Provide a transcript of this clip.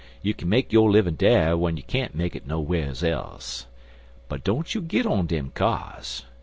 You kin make yo' livin' dar w'en you can't make it no whars else. But don't you git on dem kyars.